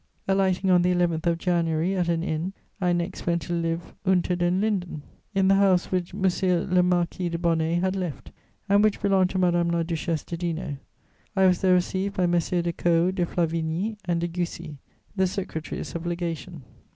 Alighting on the 11th of January at an inn, I next went to live Unter den Linden, in the house which M. le Marquis de Bonnay had left, and which belonged to Madame la Duchesse de Dino: I was there received by Messieurs de Caux, de Flavigny and de Gussy, the secretaries of legation.